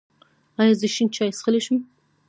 ایا زه شین چای څښلی شم؟